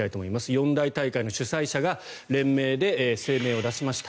四大大会の主催者が連名で声明を出しました。